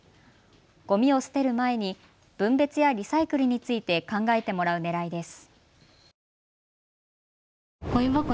ごみを捨てる前に分別やリサイクルについて考えてもらうねらいです。